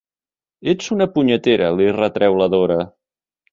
Ets una punyetera —li retreu la Dora.